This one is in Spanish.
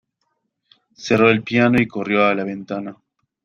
Cerró el piano y corrió a la ventana.